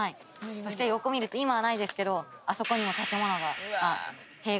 そして横を見ると今はないですけどあそこにも建物が塀が続いていて。